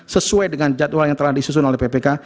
sesuai dengan jadwal yang telah disusun oleh ppk